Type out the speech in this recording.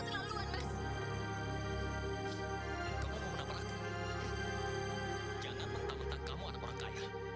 kayaknya lebih dari satu atau nanti